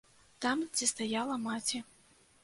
Там, дзе стаяла маці.